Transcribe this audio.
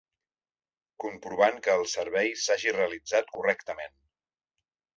Comprovant que el servei s'hagi realitzat correctament.